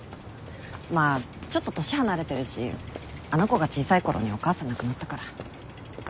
まあちょっと年離れてるしあの子が小さいころにお母さん亡くなったから。